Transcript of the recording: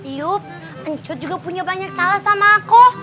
iup encut juga punya banyak salah sama aku